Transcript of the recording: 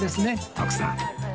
徳さん